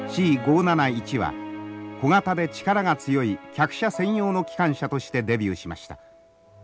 Ｃ５７１は小型で力が強い客車専用の機関車としてデビューしました。